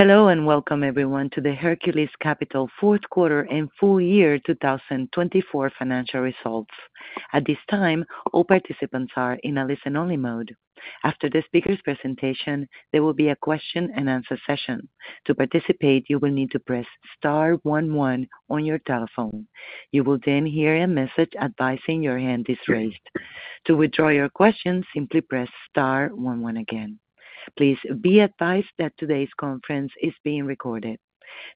Hello and welcome, everyone, to the Hercules Capital Fourth Quarter and Full-Year 2024 Financial Results. At this time, all participants are in a listen-only mode. After the speaker's presentation, there will be a question-and-answer session. To participate, you will need to press star 11 on your telephone. You will then hear a message advising your hand is raised. To withdraw your question, simply press star one one again. Please be advised that today's conference is being recorded.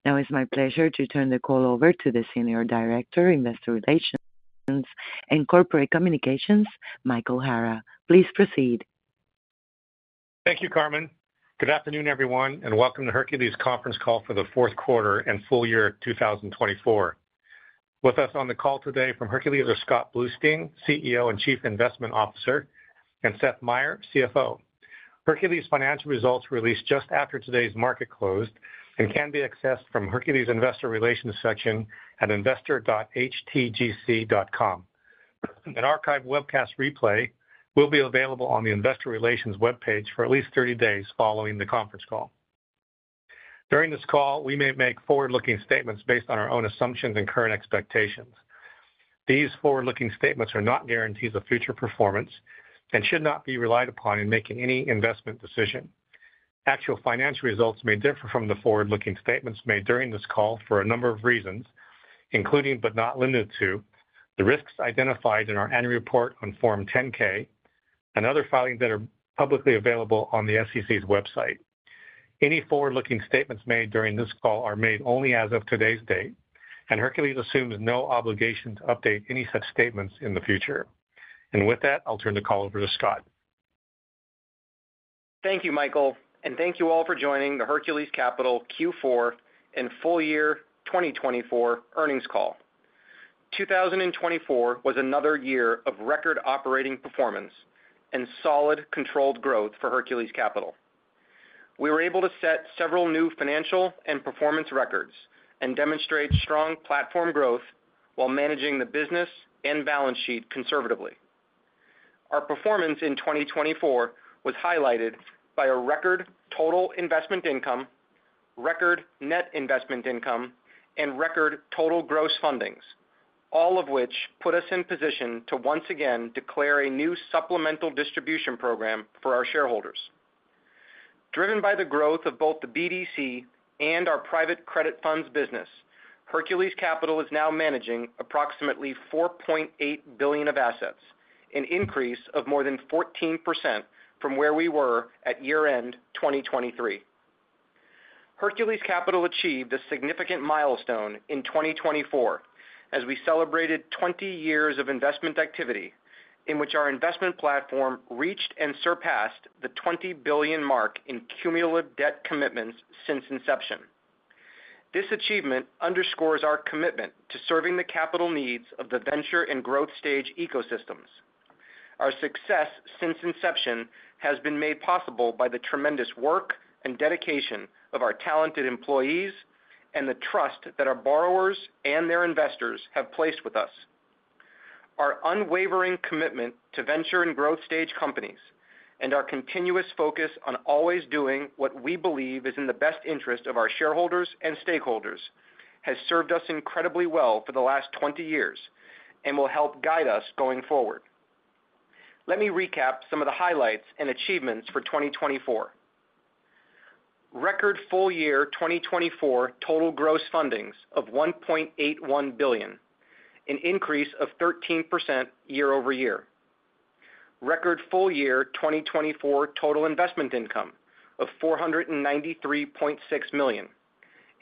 Now, it's my pleasure to turn the call over to the Senior Director, Investor Relations, and Corporate Communications, Michael Hara. Please proceed. Thank you, Carmen. Good afternoon, everyone, and welcome to Hercules' conference call for the fourth quarter and full year 2024. With us on the call today from Hercules are Scott Bluestein, CEO and Chief Investment Officer, and Seth Meyer, CFO. Hercules' financial results were released just after today's market closed and can be accessed from Hercules' Investor Relations section at investor.htgc.com. An archived webcast replay will be available on the Investor Relations web page for at least 30 days following the conference call. During this call, we may make forward-looking statements based on our own assumptions and current expectations. These forward-looking statements are not guarantees of future performance and should not be relied upon in making any investment decision. Actual financial results may differ from the forward-looking statements made during this call for a number of reasons, including but not limited to the risks identified in our annual report on Form 10-K and other filings that are publicly available on the SEC's website. Any forward-looking statements made during this call are made only as of today's date, and Hercules assumes no obligation to update any such statements in the future, and with that, I'll turn the call over to Scott. Thank you, Michael, and thank you all for joining the Hercules Capital Q4 and Full-Year 2024 Earnings Call. 2024 was another year of record operating performance and solid controlled growth for Hercules Capital. We were able to set several new financial and performance records and demonstrate strong platform growth while managing the business and balance sheet conservatively. Our performance in 2024 was highlighted by a record total investment income, record net investment income, and record total gross fundings, all of which put us in position to once again declare a new supplemental distribution program for our shareholders. Driven by the growth of both the BDC and our private credit funds business, Hercules Capital is now managing approximately $4.8 billion of assets, an increase of more than 14% from where we were at year-end 2023. Hercules Capital achieved a significant milestone in 2024 as we celebrated 20 years of investment activity in which our investment platform reached and surpassed the $20 billion mark in cumulative debt commitments since inception. This achievement underscores our commitment to serving the capital needs of the venture and growth stage ecosystems. Our success since inception has been made possible by the tremendous work and dedication of our talented employees and the trust that our borrowers and their investors have placed with us. Our unwavering commitment to venture and growth stage companies and our continuous focus on always doing what we believe is in the best interest of our shareholders and stakeholders has served us incredibly well for the last 20 years and will help guide us going forward. Let me recap some of the highlights and achievements for 2024. Record full-year 2024 total gross fundings of $1.81 billion, an increase of 13% year-over-year. Record full-year 2024 total investment income of $493.6 million,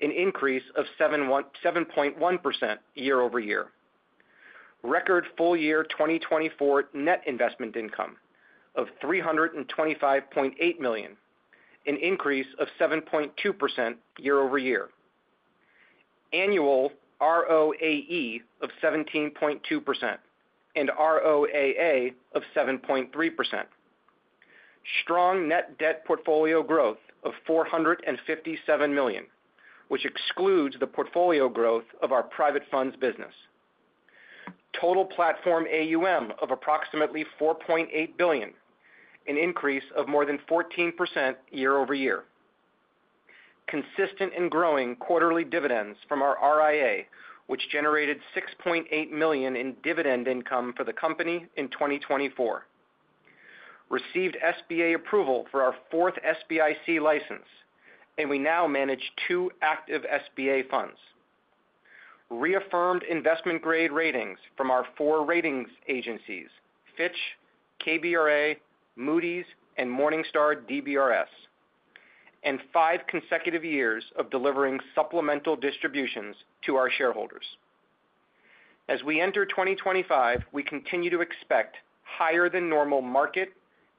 an increase of 7.1% year-over-year. Record full-year 2024 net investment income of $325.8 million, an increase of 7.2% year-over-year. Annual ROAE of 17.2% and ROAA of 7.3%. Strong net debt portfolio growth of $457 million, which excludes the portfolio growth of our private funds business. Total platform AUM of approximately $4.8 billion, an increase of more than 14% year over year. Consistent and growing quarterly dividends from our RIA, which generated $6.8 million in dividend income for the company in 2024. Received SBA approval for our fourth SBIC license, and we now manage two active SBA funds. Reaffirmed investment-grade ratings from our four ratings agencies, Fitch, KBRA, Moody's, and Morningstar DBRS, and five consecutive years of delivering supplemental distributions to our shareholders. As we enter 2025, we continue to expect higher-than-normal market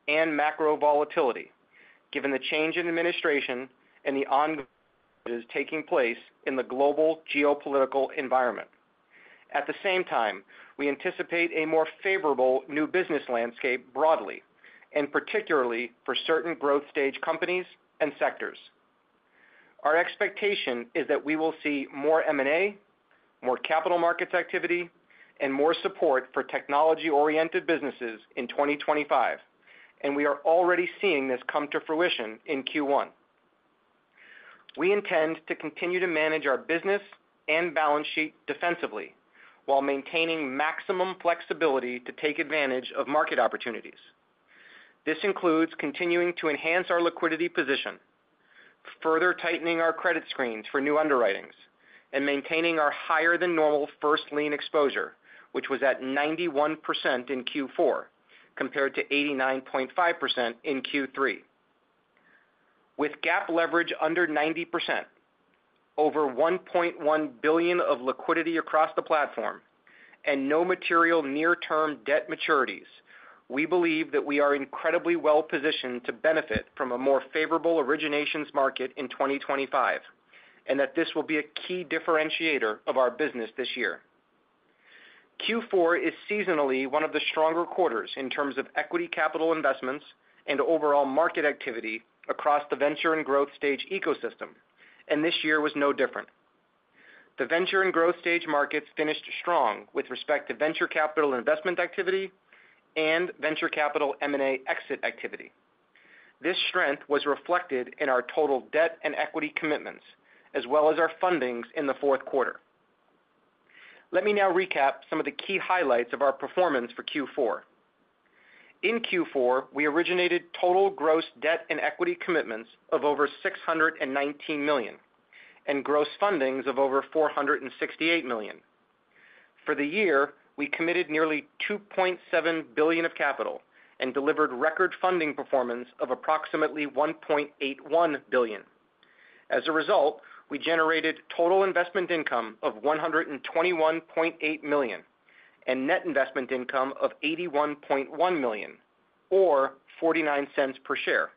and macro volatility, given the change in administration and the ongoing changes taking place in the global geopolitical environment. At the same time, we anticipate a more favorable new business landscape broadly, and particularly for certain growth stage companies and sectors. Our expectation is that we will see more M&A, more capital markets activity, and more support for technology-oriented businesses in 2025, and we are already seeing this come to fruition in Q1. We intend to continue to manage our business and balance sheet defensively while maintaining maximum flexibility to take advantage of market opportunities. This includes continuing to enhance our liquidity position, further tightening our credit screens for new underwritings, and maintaining our higher-than-normal first lien exposure, which was at 91% in Q4 compared to 89.5% in Q3. With GAAP leverage under 90%, over $1.1 billion of liquidity across the platform, and no material near-term debt maturities, we believe that we are incredibly well positioned to benefit from a more favorable originations market in 2025, and that this will be a key differentiator of our business this year. Q4 is seasonally one of the stronger quarters in terms of equity capital investments and overall market activity across the venture and growth stage ecosystem, and this year was no different. The venture and growth stage markets finished strong with respect to venture capital investment activity and venture capital M&A exit activity. This strength was reflected in our total debt and equity commitments, as well as our fundings in the fourth quarter. Let me now recap some of the key highlights of our performance for Q4. In Q4, we originated total gross debt and equity commitments of over $619 million and gross fundings of over $468 million. For the year, we committed nearly $2.7 billion of capital and delivered record funding performance of approximately $1.81 billion. As a result, we generated total investment income of $121.8 million and net investment income of $81.1 million, or $0.49 per share.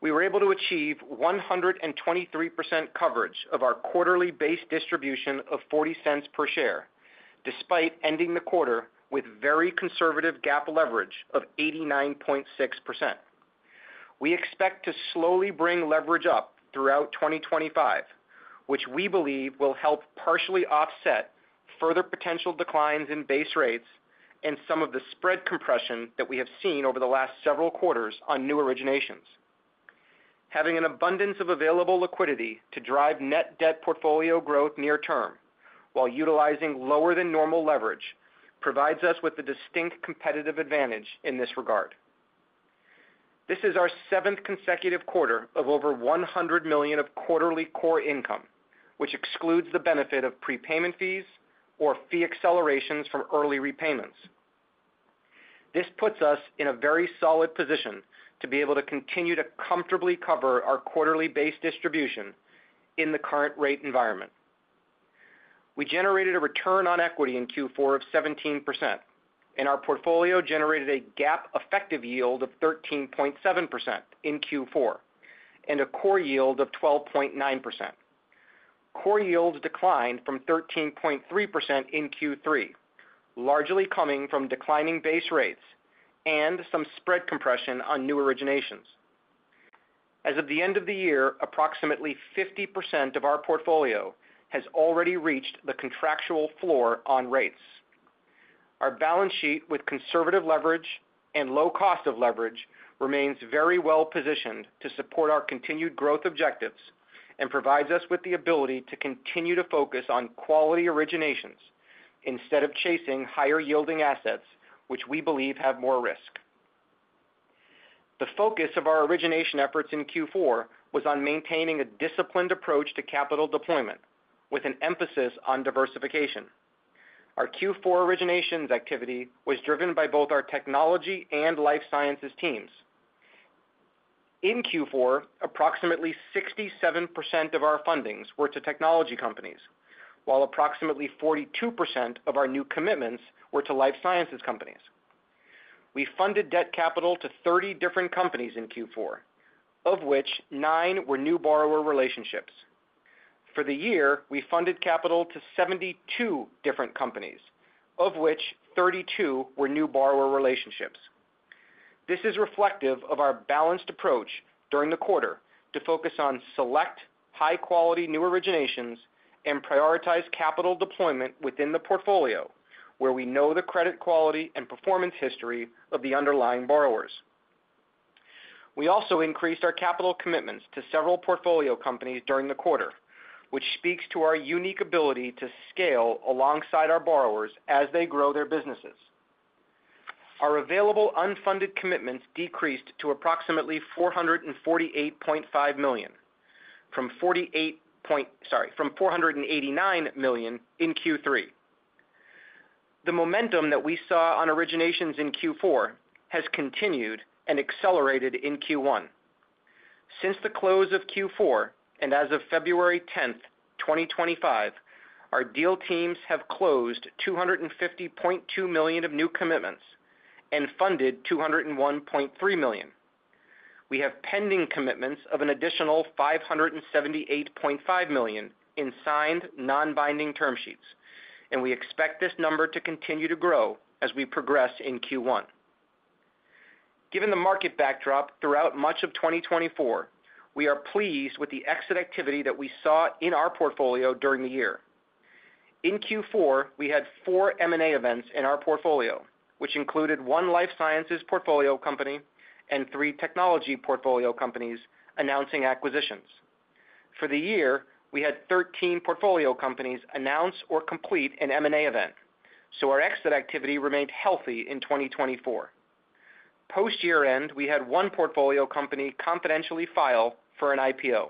We were able to achieve 123% coverage of our quarterly base distribution of $0.40 per share, despite ending the quarter with very conservative GAAP leverage of 89.6%. We expect to slowly bring leverage up throughout 2025, which we believe will help partially offset further potential declines in base rates and some of the spread compression that we have seen over the last several quarters on new originations. Having an abundance of available liquidity to drive net debt portfolio growth near-term while utilizing lower-than-normal leverage provides us with a distinct competitive advantage in this regard. This is our seventh consecutive quarter of over $100 million of quarterly core income, which excludes the benefit of prepayment fees or fee accelerations from early repayments. This puts us in a very solid position to be able to continue to comfortably cover our quarterly base distribution in the current rate environment. We generated a return on equity in Q4 of 17%, and our portfolio generated a GAAP-effective yield of 13.7% in Q4 and a core yield of 12.9%. Core yields declined from 13.3% in Q3, largely coming from declining base rates and some spread compression on new originations. As of the end of the year, approximately 50% of our portfolio has already reached the contractual floor on rates. Our balance sheet with conservative leverage and low cost of leverage remains very well positioned to support our continued growth objectives and provides us with the ability to continue to focus on quality originations instead of chasing higher-yielding assets, which we believe have more risk. The focus of our origination efforts in Q4 was on maintaining a disciplined approach to capital deployment, with an emphasis on diversification. Our Q4 originations activity was driven by both our technology and life sciences teams. In Q4, approximately 67% of our fundings were to technology companies, while approximately 42% of our new commitments were to life sciences companies. We funded debt capital to 30 different companies in Q4, of which nine were new borrower relationships. For the year, we funded capital to 72 different companies, of which 32 were new borrower relationships. This is reflective of our balanced approach during the quarter to focus on select high-quality new originations and prioritize capital deployment within the portfolio where we know the credit quality and performance history of the underlying borrowers. We also increased our capital commitments to several portfolio companies during the quarter, which speaks to our unique ability to scale alongside our borrowers as they grow their businesses. Our available unfunded commitments decreased to approximately $448.5 million from $489 million in Q3. The momentum that we saw on originations in Q4 has continued and accelerated in Q1. Since the close of Q4 and as of February 10, 2025, our deal teams have closed $250.2 million of new commitments and funded $201.3 million. We have pending commitments of an additional $578.5 million in signed non-binding term sheets, and we expect this number to continue to grow as we progress in Q1. Given the market backdrop throughout much of 2024, we are pleased with the exit activity that we saw in our portfolio during the year. In Q4, we had four M&A events in our portfolio, which included one life sciences portfolio company and three technology portfolio companies announcing acquisitions. For the year, we had 13 portfolio companies announce or complete an M&A event, so our exit activity remained healthy in 2024. Post-year-end, we had one portfolio company confidentially file for an IPO.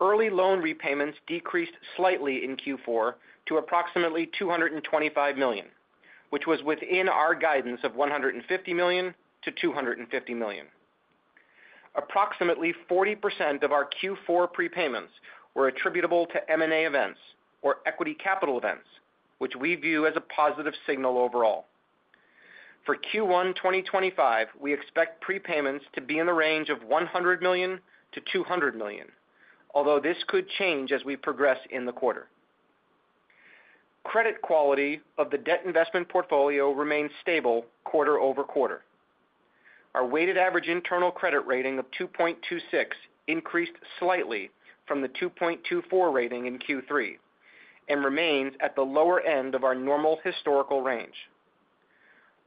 Early loan repayments decreased slightly in Q4 to approximately $225 million, which was within our guidance of $150 million-$250 million. Approximately 40% of our Q4 prepayments were attributable to M&A events or equity capital events, which we view as a positive signal overall. For Q1 2025, we expect prepayments to be in the range of $100 million-$200 million, although this could change as we progress in the quarter. Credit quality of the debt investment portfolio remains stable quarter over quarter. Our weighted average internal credit rating of 2.26 increased slightly from the 2.24 rating in Q3 and remains at the lower end of our normal historical range.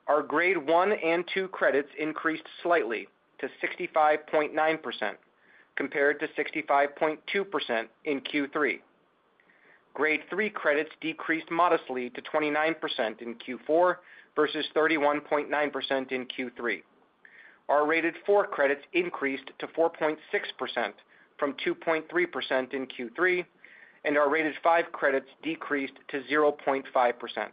Our grade 1 and 2 credits increased slightly to 65.9% compared to 65.2% in Q3. Grade 3 credits decreased modestly to 29% in Q4 versus 31.9% in Q3. Our rated 4 credits increased to 4.6% from 2.3% in Q3, and our rated 5 credits decreased to 0.5%.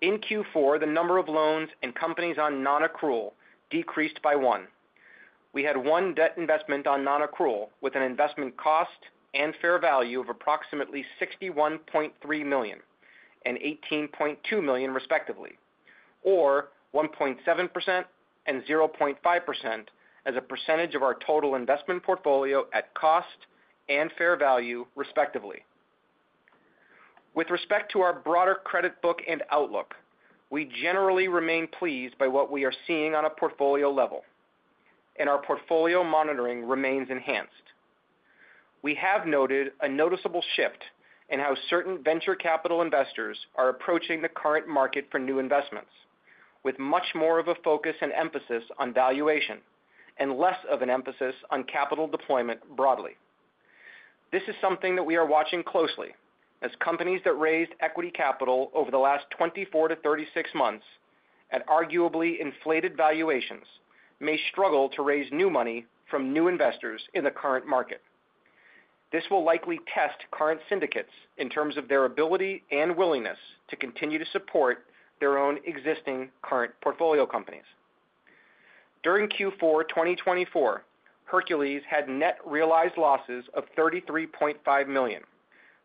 In Q4, the number of loans and companies on non-accrual decreased by one. We had one debt investment on non-accrual with an investment cost and fair value of approximately $61.3 million and $18.2 million, respectively, or 1.7% and 0.5% as a percentage of our total investment portfolio at cost and fair value, respectively. With respect to our broader credit book and outlook, we generally remain pleased by what we are seeing on a portfolio level, and our portfolio monitoring remains enhanced. We have noted a noticeable shift in how certain venture capital investors are approaching the current market for new investments, with much more of a focus and emphasis on valuation and less of an emphasis on capital deployment broadly. This is something that we are watching closely, as companies that raised equity capital over the last 24 to 36 months at arguably inflated valuations may struggle to raise new money from new investors in the current market. This will likely test current syndicates in terms of their ability and willingness to continue to support their own existing current portfolio companies. During Q4 2024, Hercules had net realized losses of $33.5 million,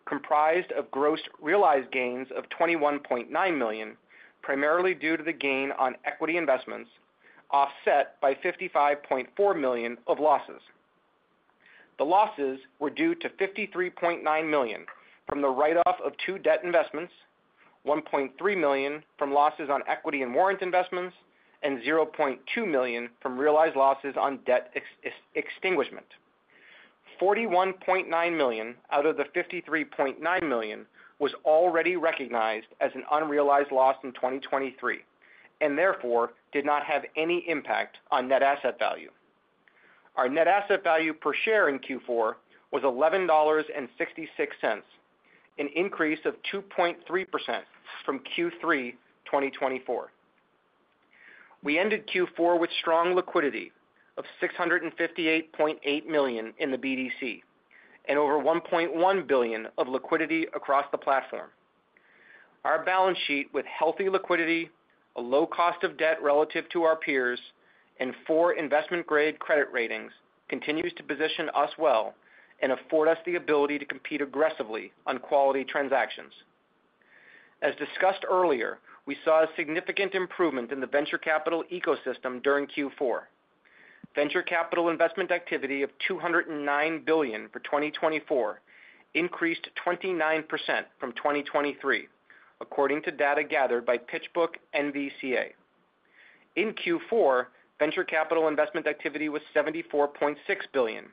comprised of gross realized gains of $21.9 million, primarily due to the gain on equity investments, offset by $55.4 million of losses. The losses were due to $53.9 million from the write-off of two debt investments, $1.3 million from losses on equity and warrant investments, and $0.2 million from realized losses on debt extinguishment. $41.9 million out of the $53.9 million was already recognized as an unrealized loss in 2023 and therefore did not have any impact on net asset value. Our net asset value per share in Q4 was $11.66, an increase of 2.3% from Q3 2024. We ended Q4 with strong liquidity of $658.8 million in the BDC and over $1.1 billion of liquidity across the platform. Our balance sheet, with healthy liquidity, a low cost of debt relative to our peers, and four investment-grade credit ratings, continues to position us well and afford us the ability to compete aggressively on quality transactions. As discussed earlier, we saw a significant improvement in the venture capital ecosystem during Q4. Venture capital investment activity of $209 billion for 2024 increased 29% from 2023, according to data gathered by PitchBook NVCA. In Q4, venture capital investment activity was $74.6 billion,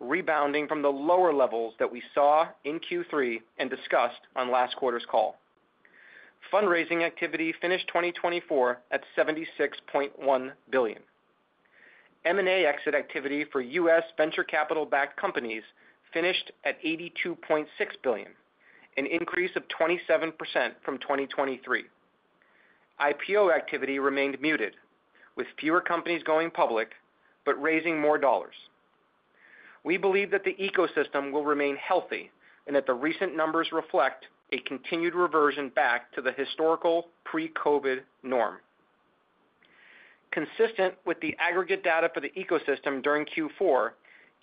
rebounding from the lower levels that we saw in Q3 and discussed on last quarter's call. Fundraising activity finished 2024 at $76.1 billion. M&A exit activity for U.S. venture capital-backed companies finished at $82.6 billion, an increase of 27% from 2023. IPO activity remained muted, with fewer companies going public but raising more dollars. We believe that the ecosystem will remain healthy and that the recent numbers reflect a continued reversion back to the historical pre-COVID norm. Consistent with the aggregate data for the ecosystem during Q4,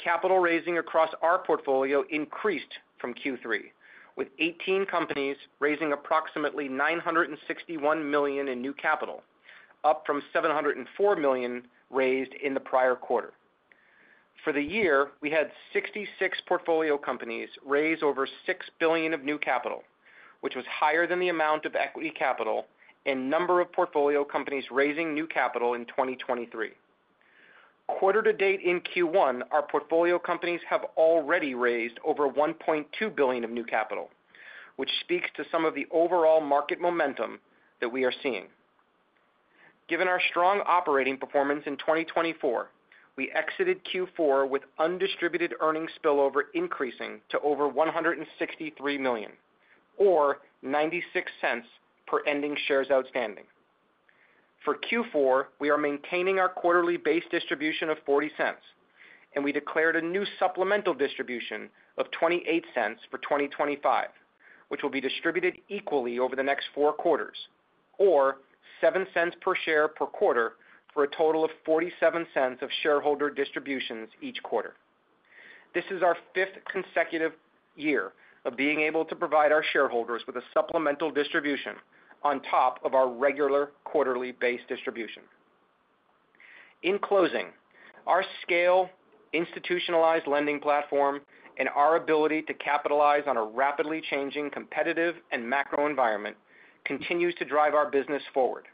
capital raising across our portfolio increased from Q3, with 18 companies raising approximately $961 million in new capital, up from $704 million raised in the prior quarter. For the year, we had 66 portfolio companies raise over $6 billion of new capital, which was higher than the amount of equity capital and number of portfolio companies raising new capital in 2023. Quarter-to-date in Q1, our portfolio companies have already raised over $1.2 billion of new capital, which speaks to some of the overall market momentum that we are seeing. Given our strong operating performance in 2024, we exited Q4 with undistributed earnings spillover increasing to over $163 million, or $0.96 per ending shares outstanding. For Q4, we are maintaining our quarterly base distribution of $0.40, and we declared a new supplemental distribution of $0.28 for 2025, which will be distributed equally over the next four quarters, or $0.07 per share per quarter for a total of $0.47 of shareholder distributions each quarter. This is our fifth consecutive year of being able to provide our shareholders with a supplemental distribution on top of our regular quarterly base distribution. In closing, our scale, institutionalized lending platform, and our ability to capitalize on a rapidly changing competitive and macro environment continues to drive our business forward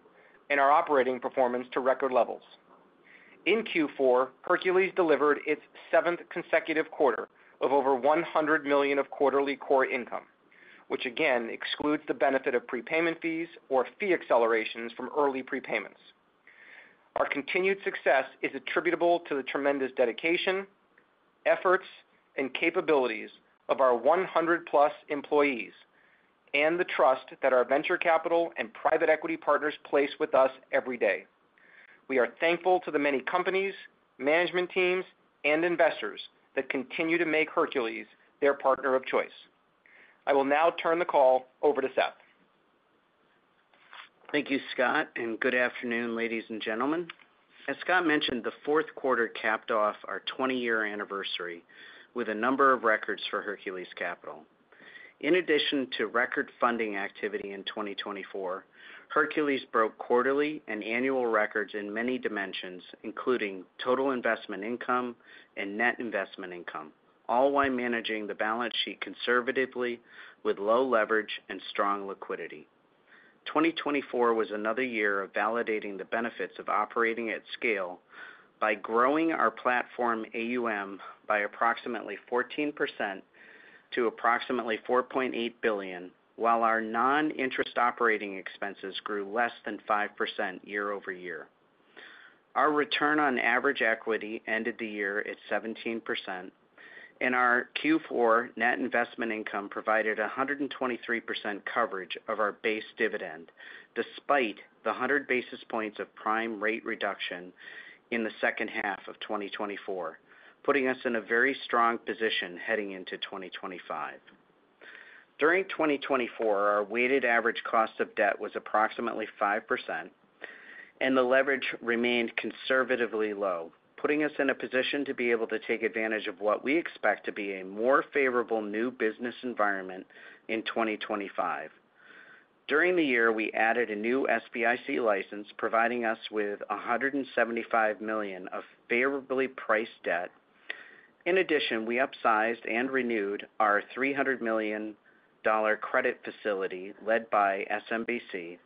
and our operating performance to record levels. In Q4, Hercules delivered its seventh consecutive quarter of over $100 million of quarterly core income, which again excludes the benefit of prepayment fees or fee accelerations from early prepayments. Our continued success is attributable to the tremendous dedication, efforts, and capabilities of our 100-plus employees and the trust that our venture capital and private equity partners place with us every day. We are thankful to the many companies, management teams, and investors that continue to make Hercules their partner of choice. I will now turn the call over to Seth. Thank you, Scott, and good afternoon, ladies and gentlemen. As Scott mentioned, the fourth quarter capped off our 20-year anniversary with a number of records for Hercules Capital. In addition to record funding activity in 2024, Hercules broke quarterly and annual records in many dimensions, including total investment income and net investment income, all while managing the balance sheet conservatively with low leverage and strong liquidity. 2024 was another year of validating the benefits of operating at scale by growing our platform AUM by approximately 14% to approximately $4.8 billion, while our non-interest operating expenses grew less than 5% year-over-year. Our return on average equity ended the year at 17%, and our Q4 net investment income provided 123% coverage of our base dividend, despite the 100 basis points of prime rate reduction in the second half of 2024, putting us in a very strong position heading into 2025. During 2024, our weighted average cost of debt was approximately 5%, and the leverage remained conservatively low, putting us in a position to be able to take advantage of what we expect to be a more favorable new business environment in 2025. During the year, we added a new SBIC license, providing us with $175 million of favorably priced debt. In addition, we upsized and renewed our $300 million credit facility led by SMBC,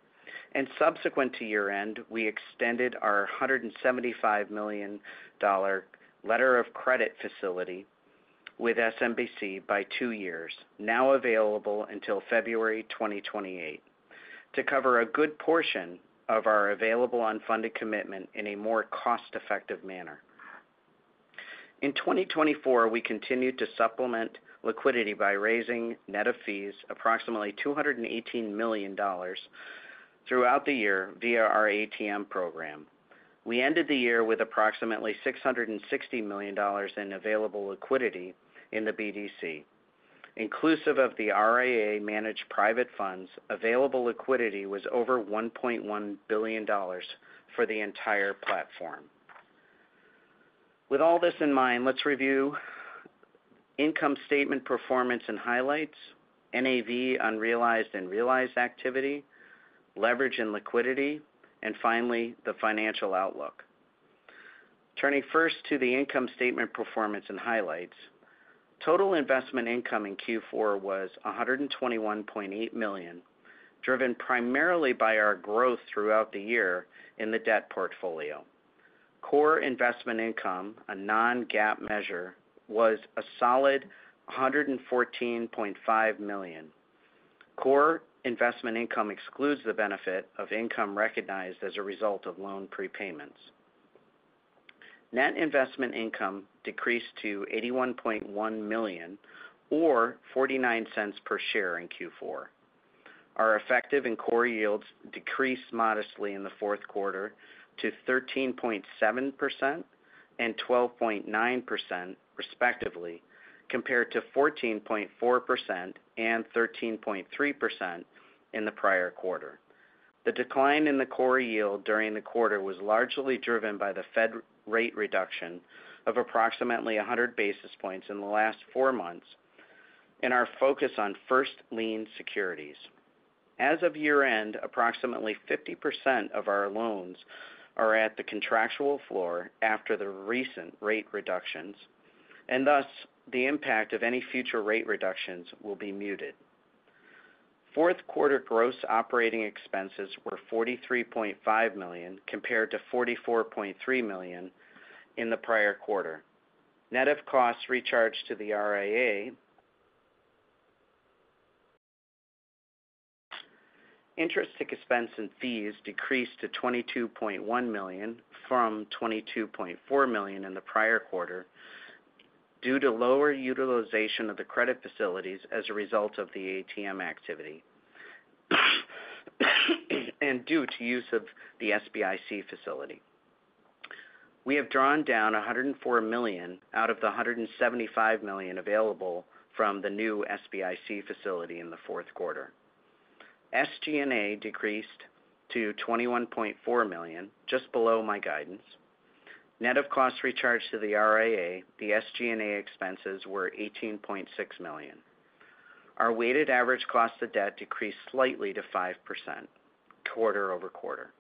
and subsequent to year-end, we extended our $175 million letter of credit facility with SMBC by two years, now available until February 2028, to cover a good portion of our available unfunded commitment in a more cost-effective manner. In 2024, we continued to supplement liquidity by raising net of fees approximately $218 million throughout the year via our ATM program. We ended the year with approximately $660 million in available liquidity in the BDC. Inclusive of the RIA-managed private funds, available liquidity was over $1.1 billion for the entire platform. With all this in mind, let's review income statement performance and highlights, NAV, unrealized and realized activity, leverage and liquidity, and finally, the financial outlook. Turning first to the income statement performance and highlights, total investment income in Q4 was $121.8 million, driven primarily by our growth throughout the year in the debt portfolio. Core investment income, a non-GAAP measure, was a solid $114.5 million. Core investment income excludes the benefit of income recognized as a result of loan prepayments. Net investment income decreased to $81.1 million, or $0.49 per share in Q4. Our effective and core yields decreased modestly in the fourth quarter to 13.7% and 12.9%, respectively, compared to 14.4% and 13.3% in the prior quarter. The decline in the core yield during the quarter was largely driven by the Fed rate reduction of approximately 100 basis points in the last four months and our focus on first lien securities. As of year-end, approximately 50% of our loans are at the contractual floor after the recent rate reductions, and thus the impact of any future rate reductions will be muted. Fourth quarter gross operating expenses were $43.5 million compared to $44.3 million in the prior quarter, net of costs recharged to the RIA. Interest expense and fees decreased to $22.1 million from $22.4 million in the prior quarter due to lower utilization of the credit facilities as a result of the ATM activity and due to use of the SBIC facility. We have drawn down $104 million out of the $175 million available from the new SBIC facility in the fourth quarter. SG&A decreased to $21.4 million, just below my guidance. Net of costs recharged to the RIA, the SG&A expenses were $18.6 million. Our weighted average cost of debt decreased slightly to 5% quarter over quarter.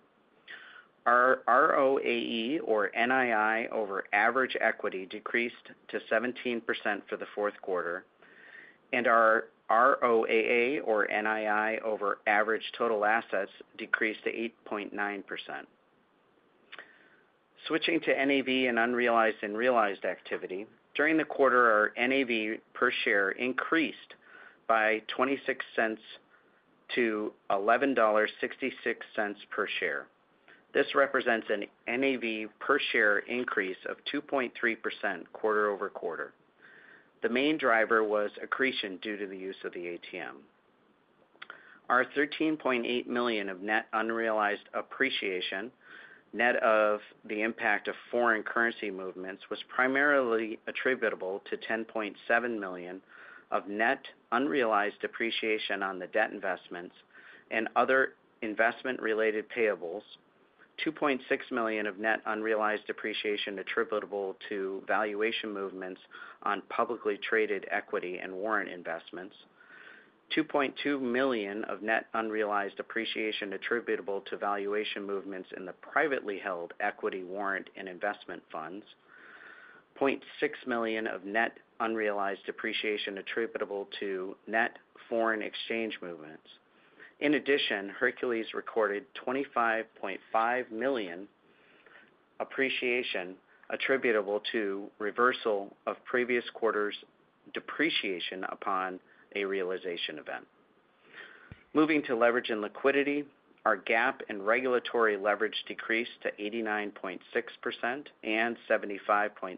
Our ROAE, or NII, over average equity decreased to 17% for the fourth quarter, and our ROAA, or NII, over average total assets decreased to 8.9%. Switching to NAV and unrealized and realized activity, during the quarter, our NAV per share increased by $0.26 to $11.66 per share. This represents an NAV per share increase of 2.3% quarter over quarter. The main driver was accretion due to the use of the ATM. Our $13.8 million of net unrealized appreciation, net of the impact of foreign currency movements, was primarily attributable to $10.7 million of net unrealized appreciation on the debt investments and other investment-related payables, $2.6 million of net unrealized appreciation attributable to valuation movements on publicly traded equity and warrant investments, $2.2 million of net unrealized appreciation attributable to valuation movements in the privately held equity warrant and investment funds, $0.6 million of net unrealized appreciation attributable to net foreign exchange movements. In addition, Hercules recorded $25.5 million appreciation attributable to reversal of previous quarter's depreciation upon a realization event. Moving to leverage and liquidity, our GAAP and regulatory leverage decreased to 89.6% and 75.6%,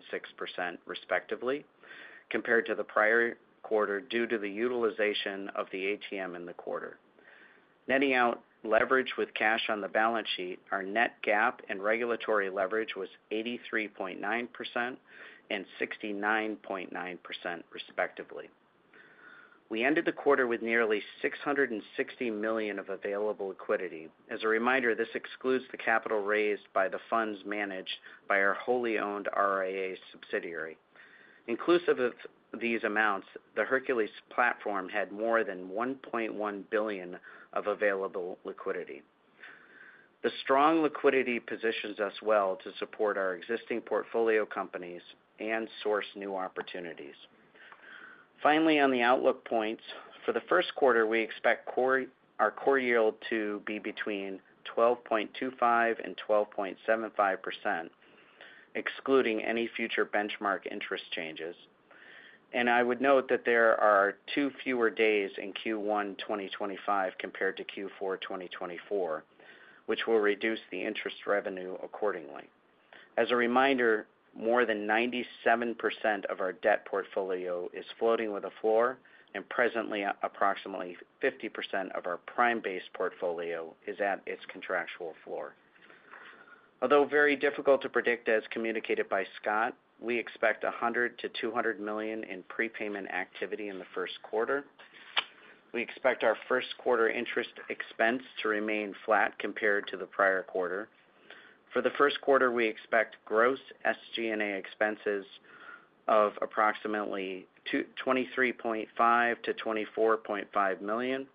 respectively, compared to the prior quarter due to the utilization of the ATM in the quarter. Netting out leverage with cash on the balance sheet, our net GAAP and regulatory leverage was 83.9% and 69.9%, respectively. We ended the quarter with nearly $660 million of available liquidity. As a reminder, this excludes the capital raised by the funds managed by our wholly owned RIA subsidiary. Inclusive of these amounts, the Hercules platform had more than $1.1 billion of available liquidity. The strong liquidity positions us well to support our existing portfolio companies and source new opportunities. Finally, on the outlook points, for the first quarter, we expect our core yield to be between 12.25% and 12.75%, excluding any future benchmark interest changes. I would note that there are two fewer days in Q1 2025 compared to Q4 2024, which will reduce the interest revenue accordingly. As a reminder, more than 97% of our debt portfolio is floating with a floor, and presently, approximately 50% of our prime-based portfolio is at its contractual floor. Although very difficult to predict, as communicated by Scott, we expect $100 million-$200 million in prepayment activity in the first quarter. We expect our first quarter interest expense to remain flat compared to the prior quarter. For the first quarter, we expect gross SG&A expenses of approximately $23.5 million-$24.5 million,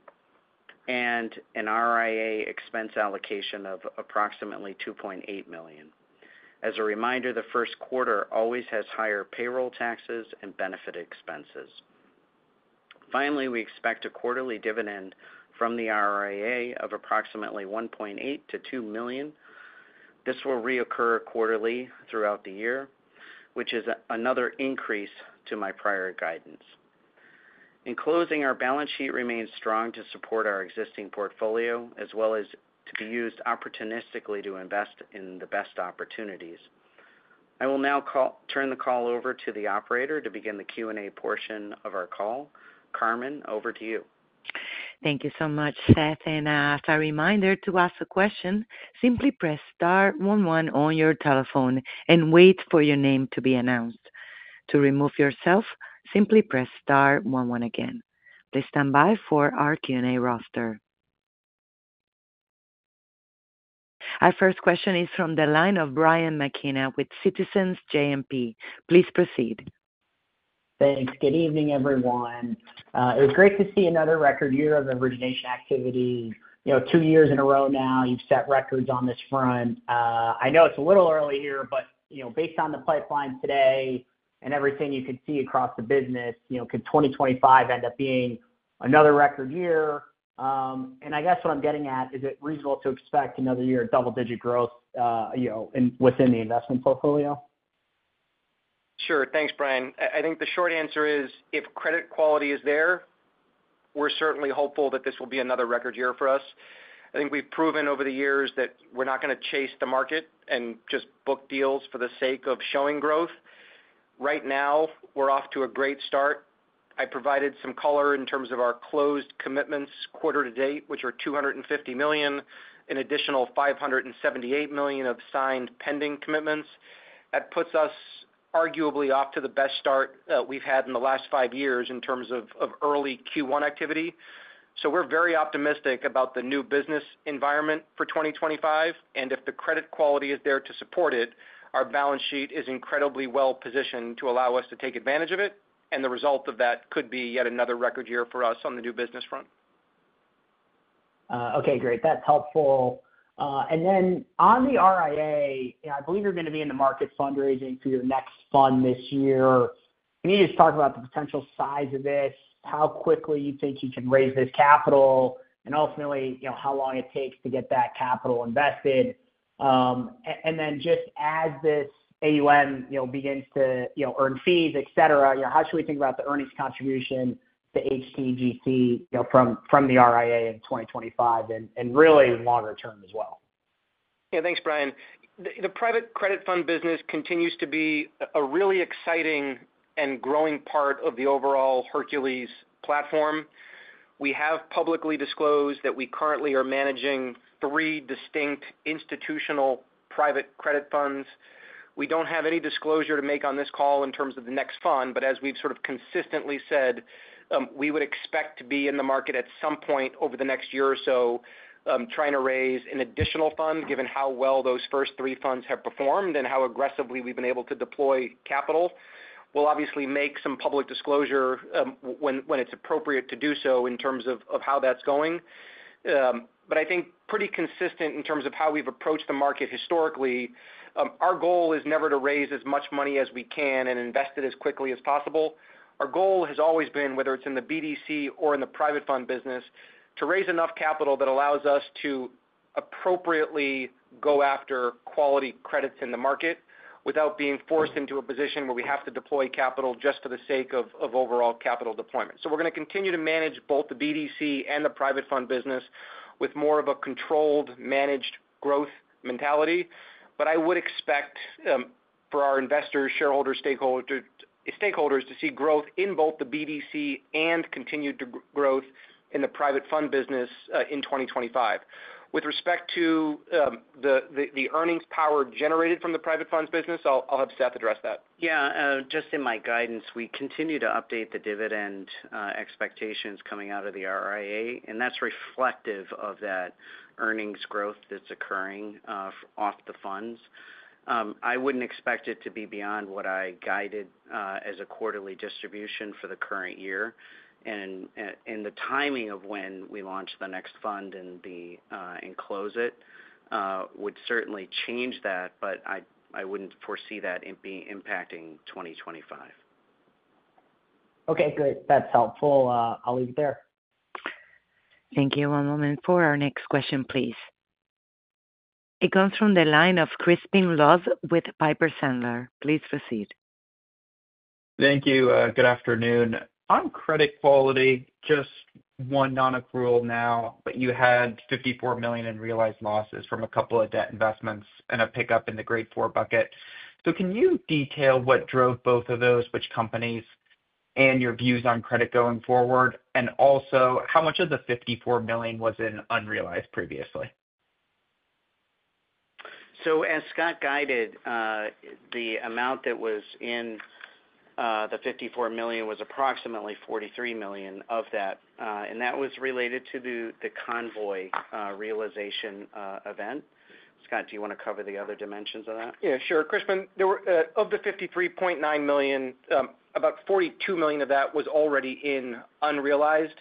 and an RIA expense allocation of approximately $2.8 million. As a reminder, the first quarter always has higher payroll taxes and benefit expenses. Finally, we expect a quarterly dividend from the RIA of approximately $1.8 million-$2 million. This will reoccur quarterly throughout the year, which is another increase to my prior guidance. In closing, our balance sheet remains strong to support our existing portfolio, as well as to be used opportunistically to invest in the best opportunities. I will now turn the call over to the operator to begin the Q&A portion of our call. Carmen, over to you. Thank you so much, Seth. And as a reminder to ask a question, simply press star one one on your telephone and wait for your name to be announced. To remove yourself, simply press star one one again. Please stand by for our Q&A roster. Our first question is from the line of Brian McKenna with Citizens JMP. Please proceed. Thanks. Good evening, everyone. It was great to see another record year of origination activity. Two years in a row now, you've set records on this front. I know it's a little early here, but based on the pipeline today and everything you could see across the business, could 2025 end up being another record year? I guess what I'm getting at, is it reasonable to expect another year of double-digit growth within the investment portfolio? Sure. Thanks, Brian. I think the short answer is, if credit quality is there, we're certainly hopeful that this will be another record year for us. I think we've proven over the years that we're not going to chase the market and just book deals for the sake of showing growth. Right now, we're off to a great start. I provided some color in terms of our closed commitments quarter to date, which are $250 million, an additional $578 million of signed pending commitments. That puts us arguably off to the best start that we've had in the last five years in terms of early Q1 activity. We're very optimistic about the new business environment for 2025. If the credit quality is there to support it, our balance sheet is incredibly well-positioned to allow us to take advantage of it. And the result of that could be yet another record year for us on the new business front. Okay. Great. That's helpful. And then on the RIA, I believe you're going to be in the market fundraising for your next fund this year. Can you just talk about the potential size of this, how quickly you think you can raise this capital, and ultimately, how long it takes to get that capital invested? And then just as this AUM begins to earn fees, etc., how should we think about the earnings contribution to HTGC from the RIA in 2025 and really longer term as well? Yeah. Thanks, Brian. The private credit fund business continues to be a really exciting and growing part of the overall Hercules platform. We have publicly disclosed that we currently are managing three distinct institutional private credit funds. We don't have any disclosure to make on this call in terms of the next fund, but as we've sort of consistently said, we would expect to be in the market at some point over the next year or so trying to raise an additional fund, given how well those first three funds have performed and how aggressively we've been able to deploy capital. We'll obviously make some public disclosure when it's appropriate to do so in terms of how that's going. But I think pretty consistent in terms of how we've approached the market historically, our goal is never to raise as much money as we can and invest it as quickly as possible. Our goal has always been, whether it's in the BDC or in the private fund business, to raise enough capital that allows us to appropriately go after quality credits in the market without being forced into a position where we have to deploy capital just for the sake of overall capital deployment. So we're going to continue to manage both the BDC and the private fund business with more of a controlled, managed growth mentality. But I would expect for our investors, shareholders, stakeholders to see growth in both the BDC and continued growth in the private fund business in 2025. With respect to the earnings power generated from the private funds business, I'll have Seth address that. Yeah. Just in my guidance, we continue to update the dividend expectations coming out of the RIA, and that's reflective of that earnings growth that's occurring off the funds. I wouldn't expect it to be beyond what I guided as a quarterly distribution for the current year. And the timing of when we launch the next fund and close it would certainly change that, but I wouldn't foresee that impacting 2025. Okay. Great. That's helpful. I'll leave it there. Thank you. One moment for our next question, please. It comes from the line of Crispin Love with Piper Sandler. Please proceed. Thank you. Good afternoon. On credit quality, just one non-accrual now, but you had $54 million in realized losses from a couple of debt investments and a pickup in the grade four bucket. So can you detail what drove both of those, which companies, and your views on credit going forward? And also, how much of the $54 million was in unrealized previously? As Scott guided, the amount that was in the $54 million was approximately $43 million of that. And that was related to the Convoy realization event. Scott, do you want to cover the other dimensions of that? Yeah. Sure. Crispin, of the $53.9 million, about $42 million of that was already in unrealized.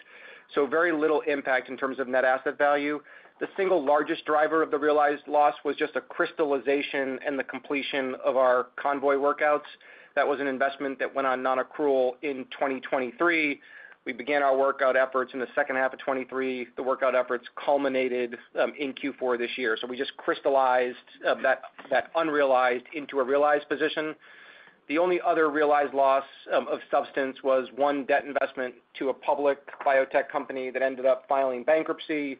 So very little impact in terms of net asset value. The single largest driver of the realized loss was just a crystallization and the completion of our Convoy workouts. That was an investment that went on non-accrual in 2023. We began our workout efforts in the second half of 2023. The workout efforts culminated in Q4 this year. So we just crystallized that unrealized into a realized position. The only other realized loss of substance was one debt investment to a public biotech company that ended up filing bankruptcy.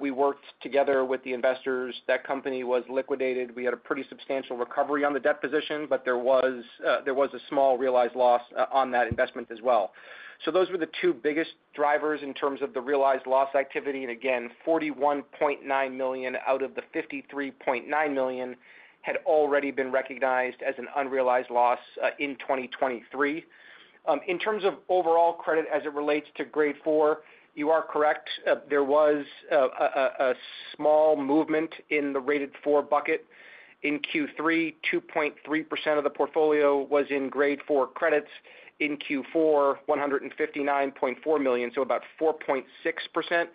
We worked together with the investors. That company was liquidated. We had a pretty substantial recovery on the debt position, but there was a small realized loss on that investment as well. So those were the two biggest drivers in terms of the realized loss activity. And again, $41.9 million out of the $53.9 million had already been recognized as an unrealized loss in 2023. In terms of overall credit as it relates to Grade 4, you are correct. There was a small movement in the Grade 4 bucket. In Q3, 2.3% of the portfolio was in Grade 4 credits. In Q4, $159.4 million, so about 4.6%.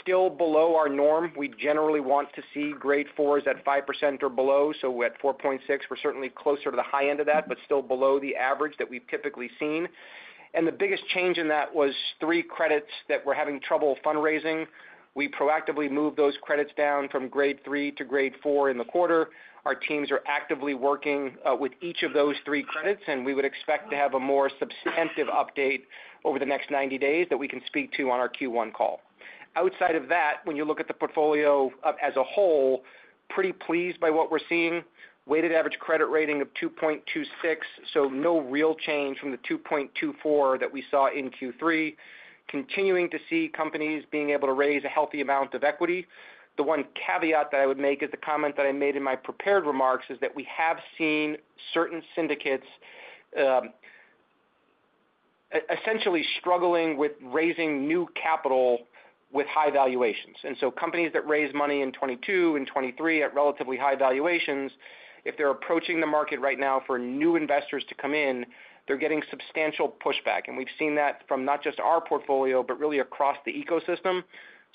Still below our norm. We generally want to see Grade 4s at 5% or below. So at 4.6%, we're certainly closer to the high end of that, but still below the average that we've typically seen. And the biggest change in that was three credits that were having trouble fundraising. We proactively moved those credits down from grade three to grade four in the quarter. Our teams are actively working with each of those three credits, and we would expect to have a more substantive update over the next 90 days that we can speak to on our Q1 call. Outside of that, when you look at the portfolio as a whole, pretty pleased by what we're seeing. Weighted average credit rating of 2.26, so no real change from the 2.24 that we saw in Q3. Continuing to see companies being able to raise a healthy amount of equity. The one caveat that I would make is the comment that I made in my prepared remarks is that we have seen certain syndicates essentially struggling with raising new capital with high valuations. And so companies that raise money in 2022 and 2023 at relatively high valuations, if they're approaching the market right now for new investors to come in, they're getting substantial pushback. And we've seen that from not just our portfolio, but really across the ecosystem.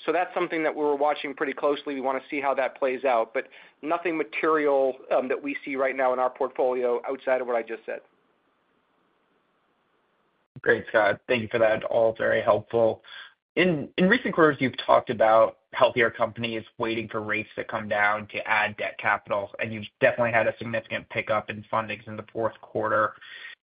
So that's something that we're watching pretty closely. We want to see how that plays out, but nothing material that we see right now in our portfolio outside of what I just said. Great, Scott. Thank you for that. All very helpful. In recent quarters, you've talked about healthier companies waiting for rates to come down to add debt capital, and you've definitely had a significant pickup in fundings in the fourth quarter.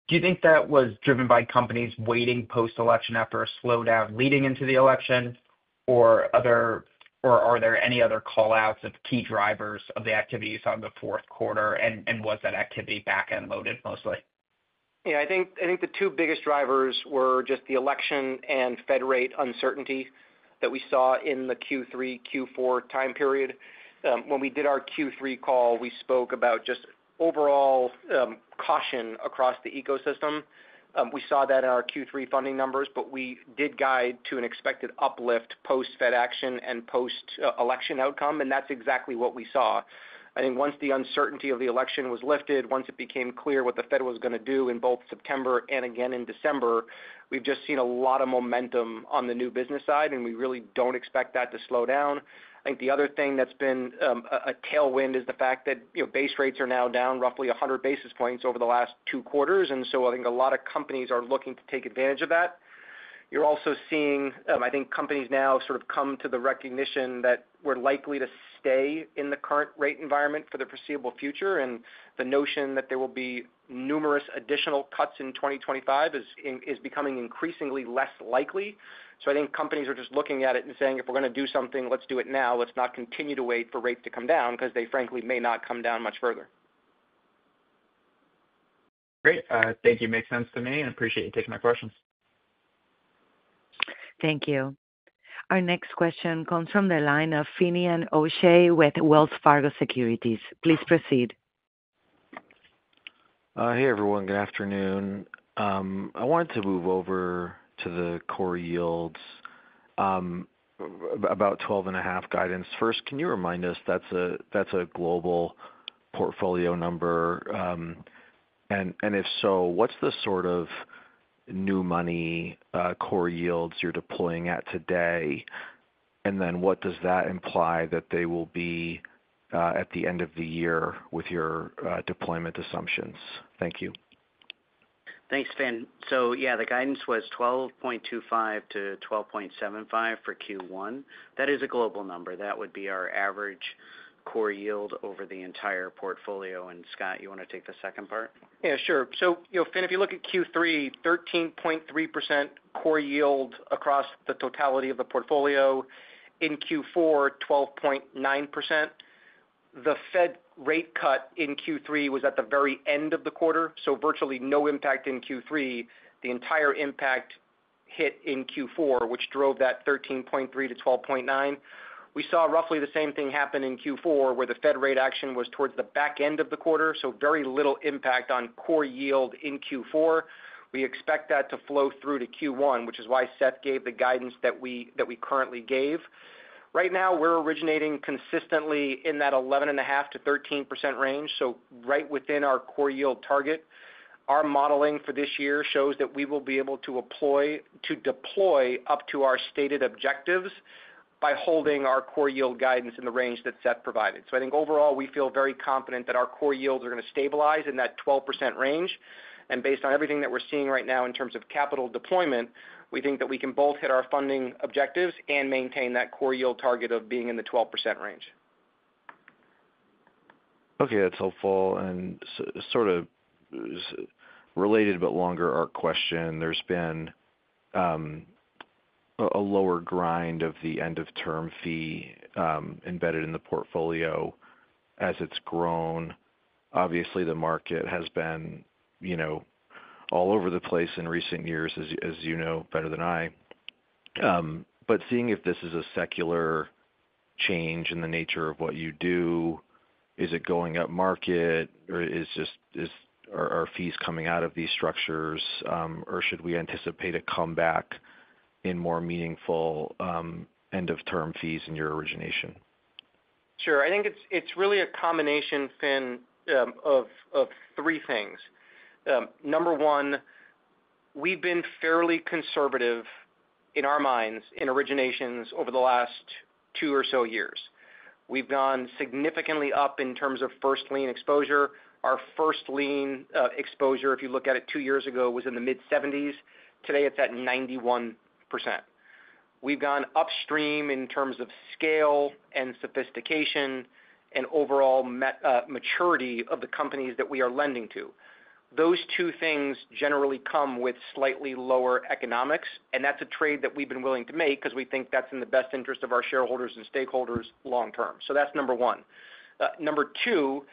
Do you think that was driven by companies waiting post-election after a slowdown leading into the election, or are there any other callouts of key drivers of the activity you saw in the fourth quarter, and was that activity back-loaded mostly? Yeah. I think the two biggest drivers were just the election and Fed rate uncertainty that we saw in the Q3, Q4 time period. When we did our Q3 call, we spoke about just overall caution across the ecosystem. We saw that in our Q3 funding numbers, but we did guide to an expected uplift post-Fed action and post-election outcome, and that's exactly what we saw. I think once the uncertainty of the election was lifted, once it became clear what the Fed was going to do in both September and again in December, we've just seen a lot of momentum on the new business side, and we really don't expect that to slow down. I think the other thing that's been a tailwind is the fact that base rates are now down roughly 100 basis points over the last two quarters. And so I think a lot of companies are looking to take advantage of that. You're also seeing, I think, companies now sort of come to the recognition that we're likely to stay in the current rate environment for the foreseeable future, and the notion that there will be numerous additional cuts in 2025 is becoming increasingly less likely. So I think companies are just looking at it and saying, "If we're going to do something, let's do it now. Let's not continue to wait for rates to come down because they, frankly, may not come down much further." Great. Thank you. Makes sense to me. I appreciate you taking my questions. Thank you. Our next question comes from the line of Finian O'Shea with Wells Fargo Securities. Please proceed. Hey, everyone. Good afternoon. I wanted to move over to the core yields, about 12.5 guidance. First, can you remind us that's a global portfolio number? And if so, what's the sort of new money core yields you're deploying at today? And then what does that imply that they will be at the end of the year with your deployment assumptions? Thank you. Thanks, Finn. So yeah, the guidance was 12.25-12.75 for Q1. That is a global number. That would be our average core yield over the entire portfolio. And Scott, you want to take the second part? Yeah. Sure. So Finn, if you look at Q3, 13.3% core yield across the totality of the portfolio. In Q4, 12.9%. The Fed rate cut in Q3 was at the very end of the quarter, so virtually no impact in Q3. The entire impact hit in Q4, which drove that 13.3%-12.9%. We saw roughly the same thing happen in Q4 where the Fed rate action was towards the back end of the quarter, so very little impact on core yield in Q4. We expect that to flow through to Q1, which is why Seth gave the guidance that we currently gave. Right now, we're originating consistently in that 11.5%-13% range, so right within our core yield target. Our modeling for this year shows that we will be able to deploy up to our stated objectives by holding our core yield guidance in the range that Seth provided. So I think overall, we feel very confident that our core yields are going to stabilize in that 12% range. And based on everything that we're seeing right now in terms of capital deployment, we think that we can both hit our funding objectives and maintain that core yield target of being in the 12% range. Okay. That's helpful. And sort of related but longer-term question, there's been a slower grind of the end-of-term fee embedded in the portfolio as it's grown. Obviously, the market has been all over the place in recent years, as you know better than I. \But seeing if this is a secular change in the nature of what you do, is it going up market, or are fees coming out of these structures, or should we anticipate a comeback in more meaningful end-of-term fees in your origination? Sure. I think it's really a combination, Finn, of three things. Number one, we've been fairly conservative in our minds in originations over the last two or so years. We've gone significantly up in terms of first lien exposure. Our first lien exposure, if you look at it two years ago, was in the mid-70s%. Today, it's at 91%. We've gone upstream in terms of scale and sophistication and overall maturity of the companies that we are lending to. Those two things generally come with slightly lower economics, and that's a trade that we've been willing to make because we think that's in the best interest of our shareholders and stakeholders long term. So that's number one. Number two,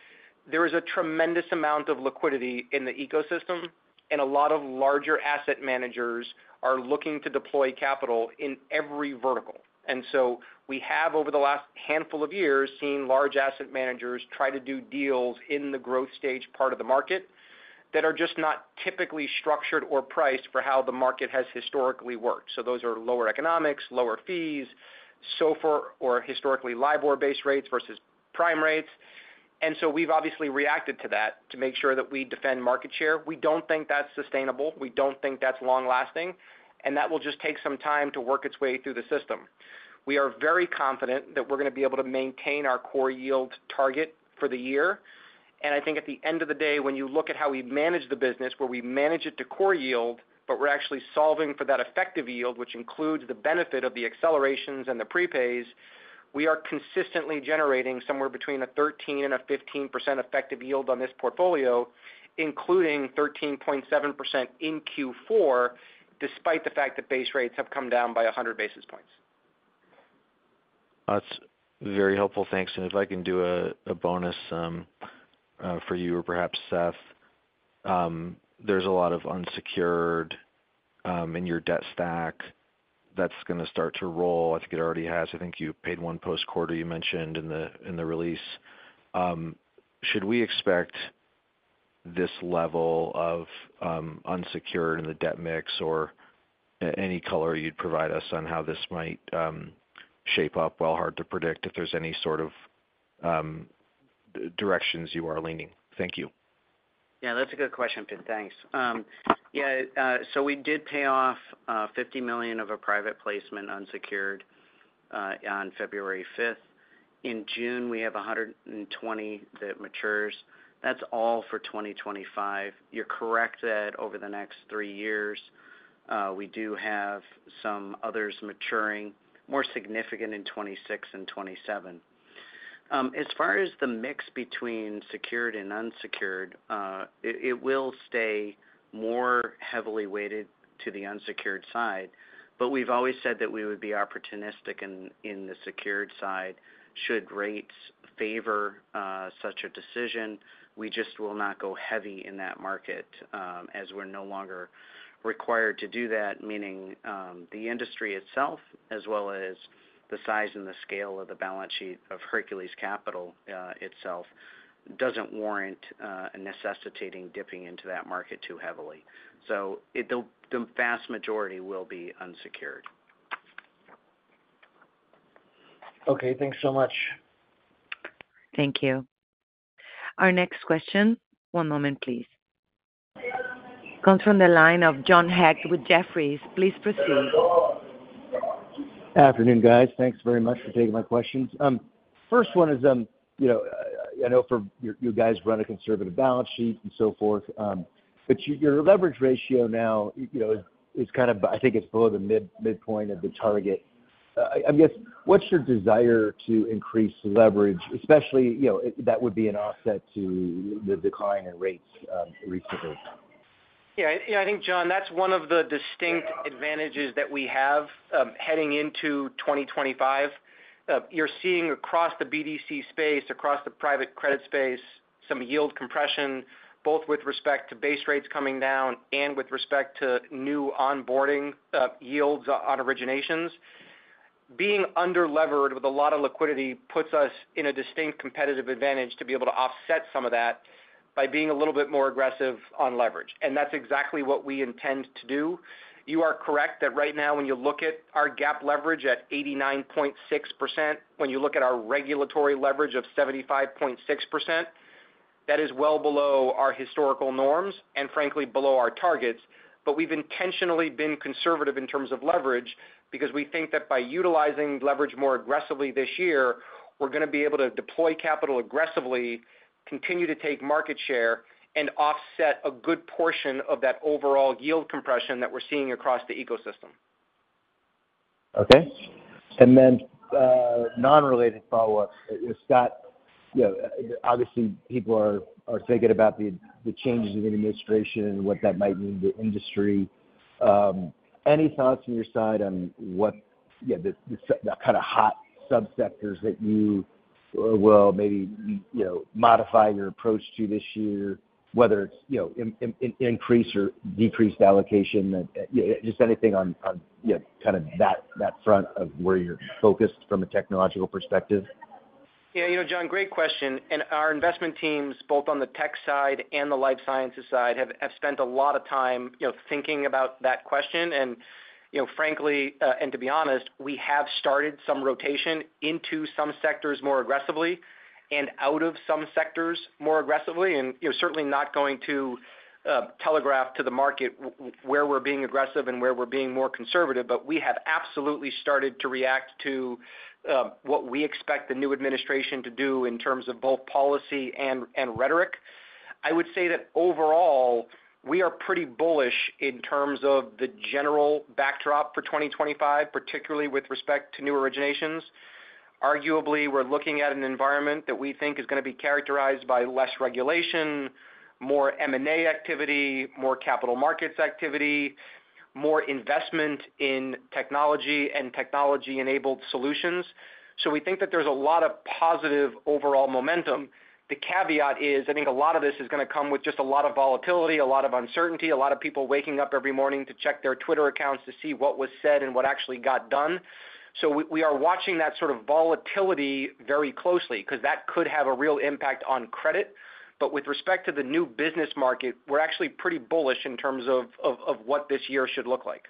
there is a tremendous amount of liquidity in the ecosystem, and a lot of larger asset managers are looking to deploy capital in every vertical. And so we have, over the last handful of years, seen large asset managers try to do deals in the growth stage part of the market that are just not typically structured or priced for how the market has historically worked. So those are lower economics, lower fees, so forth, or historically LIBOR-based rates versus prime rates. And so we've obviously reacted to that to make sure that we defend market share. We don't think that's sustainable. We don't think that's long-lasting, and that will just take some time to work its way through the system. We are very confident that we're going to be able to maintain our core yield target for the year, and I think at the end of the day, when you look at how we manage the business, where we manage it to core yield, but we're actually solving for that effective yield, which includes the benefit of the accelerations and the prepays, we are consistently generating somewhere between 13% and 15% effective yield on this portfolio, including 13.7% in Q4, despite the fact that base rates have come down by 100 basis points. That's very helpful. Thanks, and if I can do a bonus for you or perhaps Seth, there's a lot of unsecured in your debt stack that's going to start to roll. I think it already has. I think you paid one post-quarter you mentioned in the release. Should we expect this level of unsecured in the debt mix or any color you'd provide us on how this might shape up? Well, hard to predict if there's any sort of directions you are leaning. Thank you. Yeah. That's a good question, Finn. Thanks. Yeah. So we did pay off $50 million of a private placement unsecured on February 5th. In June, we have $120 million that matures. That's all for 2025. You're correct that over the next three years, we do have some others maturing, more significant in 2026 and 2027. As far as the mix between secured and unsecured, it will stay more heavily weighted to the unsecured side, but we've always said that we would be opportunistic in the secured side should rates favor such a decision. We just will not go heavy in that market as we're no longer required to do that, meaning the industry itself, as well as the size and the scale of the balance sheet of Hercules Capital itself, doesn't warrant necessitating dipping into that market too heavily. So the vast majority will be unsecured. Okay. Thanks so much. Thank you. Our next question. One moment, please. Comes from the line of John Hecht with Jefferies. Please proceed. Afternoon, guys. Thanks very much for taking my questions. First one is, I know you guys run a conservative balance sheet and so forth, but your leverage ratio now is kind of, I think it's below the midpoint of the target. I guess, what's your desire to increase leverage, especially that would be an offset to the decline in rates recently? Yeah. I think, John, that's one of the distinct advantages that we have heading into 2025. You're seeing across the BDC space, across the private credit space, some yield compression, both with respect to base rates coming down and with respect to new onboarding yields on originations. Being under-levered with a lot of liquidity puts us in a distinct competitive advantage to be able to offset some of that by being a little bit more aggressive on leverage. And that's exactly what we intend to do. You are correct that right now, when you look at our GAAP leverage at 89.6%, when you look at our regulatory leverage of 75.6%, that is well below our historical norms and, frankly, below our targets. But we've intentionally been conservative in terms of leverage because we think that by utilizing leverage more aggressively this year, we're going to be able to deploy capital aggressively, continue to take market share, and offset a good portion of that overall yield compression that we're seeing across the ecosystem. Okay. And then non-related follow-up. Scott, obviously, people are thinking about the changes in the administration and what that might mean to the industry. Any thoughts on your side on what the kind of hot subsectors that you will maybe modify your approach to this year, whether it's increased or decreased allocation, just anything on kind of that front of where you're focused from a technological perspective? Yeah. John, great question. And our investment teams, both on the tech side and the life sciences side, have spent a lot of time thinking about that question. And frankly, and to be honest, we have started some rotation into some sectors more aggressively and out of some sectors more aggressively. And certainly not going to telegraph to the market where we're being aggressive and where we're being more conservative, but we have absolutely started to react to what we expect the new administration to do in terms of both policy and rhetoric. I would say that overall, we are pretty bullish in terms of the general backdrop for 2025, particularly with respect to new originations. Arguably, we're looking at an environment that we think is going to be characterized by less regulation, more M&A activity, more capital markets activity, more investment in technology and technology-enabled solutions. So we think that there's a lot of positive overall momentum. The caveat is, I think a lot of this is going to come with just a lot of volatility, a lot of uncertainty, a lot of people waking up every morning to check their Twitter accounts to see what was said and what actually got done. So we are watching that sort of volatility very closely because that could have a real impact on credit. But with respect to the new business market, we're actually pretty bullish in terms of what this year should look like.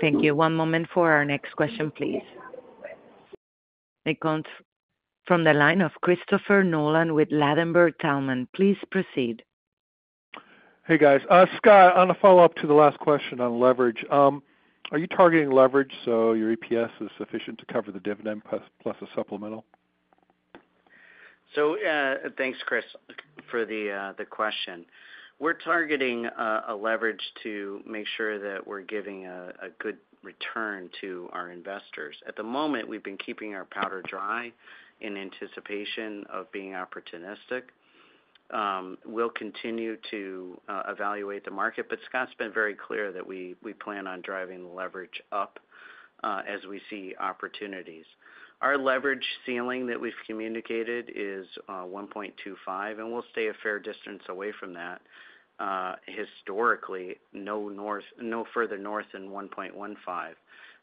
Thank you. One moment for our next question, please. It comes from the line of Christopher Nolan with Ladenburg Thalmann. Please proceed. Hey, guys. Scott, on a follow-up to the last question on leverage, are you targeting leverage so your EPS is sufficient to cover the dividend plus a supplemental? So thanks, Chris, for the question. We're targeting a leverage to make sure that we're giving a good return to our investors. At the moment, we've been keeping our powder dry in anticipation of being opportunistic. We'll continue to evaluate the market, but Scott's been very clear that we plan on driving leverage up as we see opportunities. Our leverage ceiling that we've communicated is 1.25, and we'll stay a fair distance away from that. Historically, no further north than 1.15.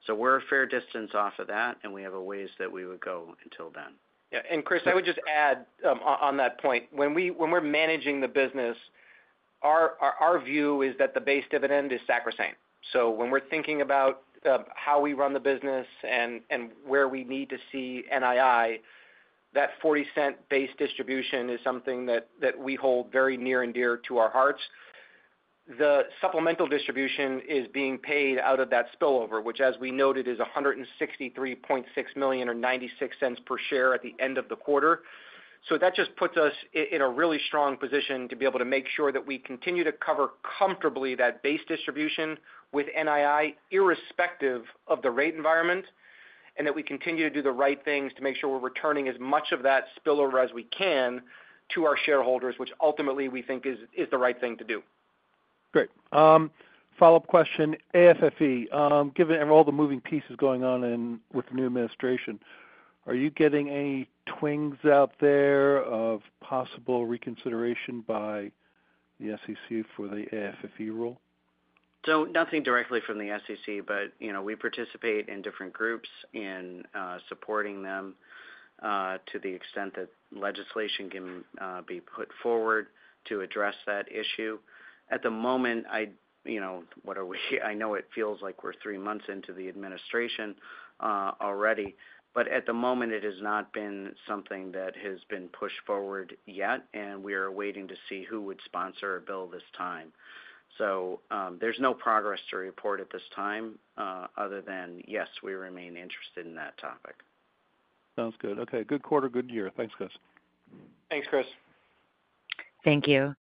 So we're a fair distance off of that, and we have a ways that we would go until then. Yeah. And Chris, I would just add on that point. When we're managing the business, our view is that the base dividend is sacrosanct. So when we're thinking about how we run the business and where we need to see NII, that $0.40 base distribution is something that we hold very near and dear to our hearts. The supplemental distribution is being paid out of that spillover, which, as we noted, is $163.6 million or $0.96 per share at the end of the quarter. So that just puts us in a really strong position to be able to make sure that we continue to cover comfortably that base distribution with NII irrespective of the rate environment and that we continue to do the right things to make sure we're returning as much of that spillover as we can to our shareholders, which ultimately we think is the right thing to do. Great. Follow-up question. AFFE, given all the moving pieces going on with the new administration, are you getting any twinges out there of possible reconsideration by the SEC for the AFFE rule? So nothing directly from the SEC, but we participate in different groups and supporting them to the extent that legislation can be put forward to address that issue. At the moment, what are we? I know it feels like we're three months into the administration already, but at the moment, it has not been something that has been pushed forward yet, and we are waiting to see who would sponsor a bill this time. So there's no progress to report at this time other than, yes, we remain interested in that topic. Sounds good. Okay. Good quarter, good year. Thanks, Chris. Thanks, Chris. Thank you.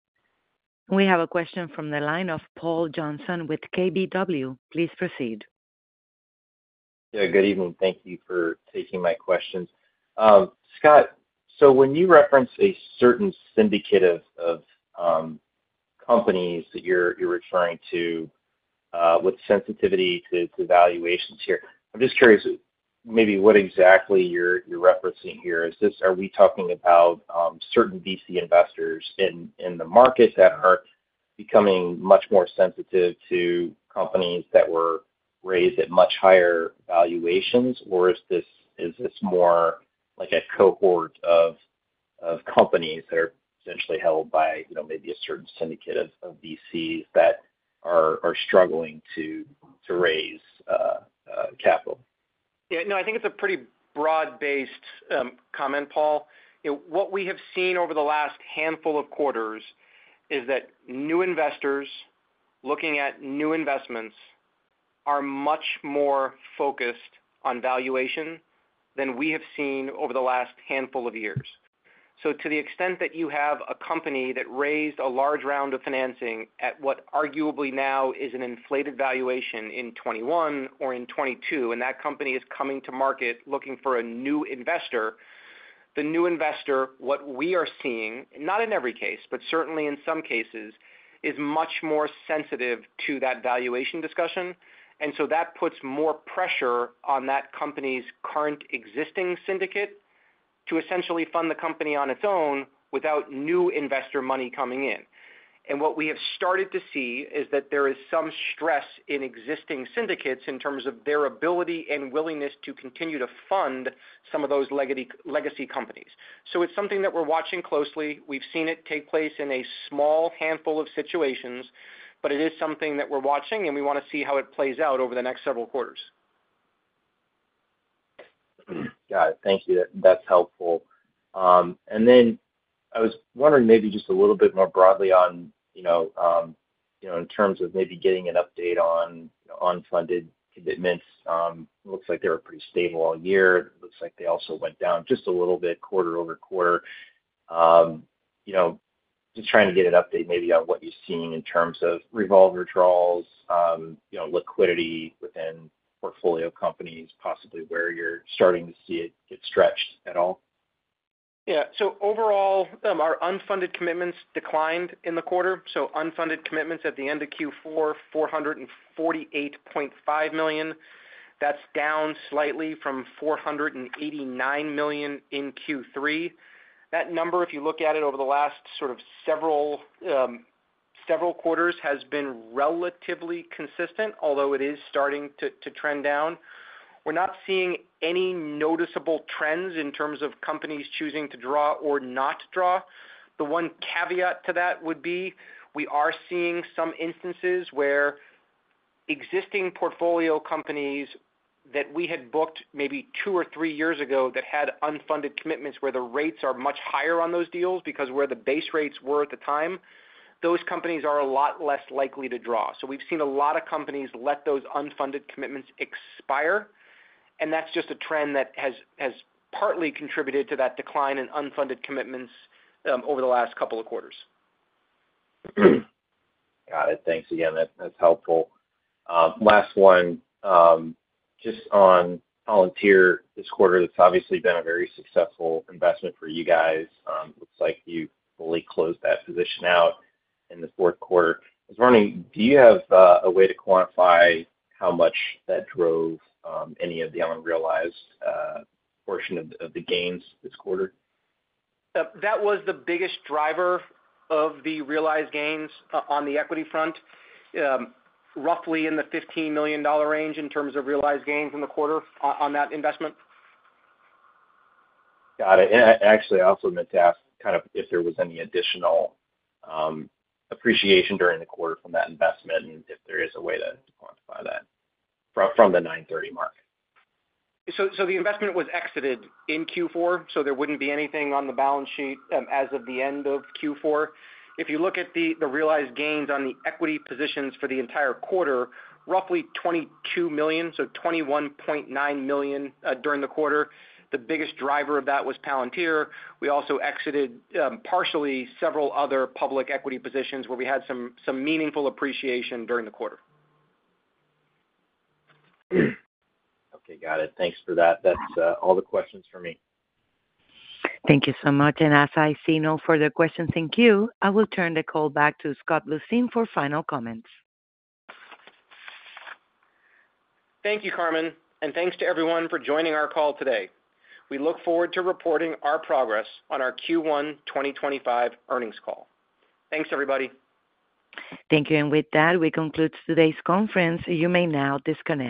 We have a question from the line of Paul Johnson with KBW. Please proceed. Yeah. Good evening. Thank you for taking my questions. Scott, so when you reference a certain syndicate of companies that you're referring to with sensitivity to valuations here, I'm just curious maybe what exactly you're referencing here. Are we talking about certain VC investors in the market that are becoming much more sensitive to companies that were raised at much higher valuations, or is this more like a cohort of companies that are essentially held by maybe a certain syndicate of VCs that are struggling to raise capital? Yeah. No, I think it's a pretty broad-based comment, Paul. What we have seen over the last handful of quarters is that new investors looking at new investments are much more focused on valuation than we have seen over the last handful of years. So to the extent that you have a company that raised a large round of financing at what arguably now is an inflated valuation in 2021 or in 2022, and that company is coming to market looking for a new investor, the new investor, what we are seeing, not in every case, but certainly in some cases, is much more sensitive to that valuation discussion. And so that puts more pressure on that company's current existing syndicate to essentially fund the company on its own without new investor money coming in. And what we have started to see is that there is some stress in existing syndicates in terms of their ability and willingness to continue to fund some of those legacy companies. So it's something that we're watching closely. We've seen it take place in a small handful of situations, but it is something that we're watching, and we want to see how it plays out over the next several quarters. Got it. Thank you. That's helpful. And then I was wondering maybe just a little bit more broadly on in terms of maybe getting an update on unfunded commitments. It looks like they were pretty stable all year. It looks like they also went down just a little bit quarter-over quarter. Just trying to get an update maybe on what you're seeing in terms of revolver withdrawals, liquidity within portfolio companies, possibly where you're starting to see it get stretched at all. Yeah. So overall, our unfunded commitments declined in the quarter. So unfunded commitments at the end of Q4, $448.5 million. That's down slightly from $489 million in Q3. That number, if you look at it over the last sort of several quarters, has been relatively consistent, although it is starting to trend down. We're not seeing any noticeable trends in terms of companies choosing to draw or not draw. The one caveat to that would be we are seeing some instances where existing portfolio companies that we had booked maybe two or three years ago that had unfunded commitments where the rates are much higher on those deals because where the base rates were at the time, those companies are a lot less likely to draw. So we've seen a lot of companies let those unfunded commitments expire, and that's just a trend that has partly contributed to that decline in unfunded commitments over the last couple of quarters. Got it. Thanks again. That's helpful. Last one, just on Palantir this quarter, that's obviously been a very successful investment for you guys. Looks like you fully closed that position out in the fourth quarter. Do you have a way to quantify how much that drove any of the unrealized portion of the gains this quarter? That was the biggest driver of the realized gains on the equity front, roughly in the $15 million range in terms of realized gains in the quarter on that investment. Got it. Actually, I also meant to ask kind of if there was any additional appreciation during the quarter from that investment and if there is a way to quantify that from the 9/30 mark. So the investment was exited in Q4, so there wouldn't be anything on the balance sheet as of the end of Q4. If you look at the realized gains on the equity positions for the entire quarter, roughly $22 million, so $21.9 million during the quarter. The biggest driver of that was Palantir. We also exited partially several other public equity positions where we had some meaningful appreciation during the quarter. Okay. Got it. Thanks for that. That's all the questions for me. Thank you so much. As I see no further questions, thank you. I will turn the call back to Scott Bluestein for final comments. Thank you, Carmen. Thanks to everyone for joining our call today. We look forward to reporting our progress on our Q1 2025 earnings call. Thanks, everybody. Thank you. With that, we conclude today's conference. You may now disconnect.